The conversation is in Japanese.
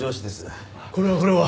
これはこれは。